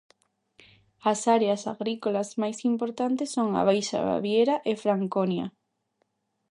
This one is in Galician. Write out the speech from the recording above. As áreas agrícolas máis importantes son a Baixa Baviera e Franconia.